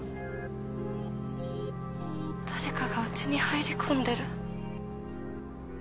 誰かが家に入り込んでる。